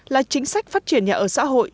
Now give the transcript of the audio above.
là chính sách phát triển nhà ở xã hội